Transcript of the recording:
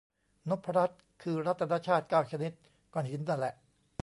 นพรัตน์ คือรัตนชาติเก้าชนิด ก้อนหินน่ะแหละ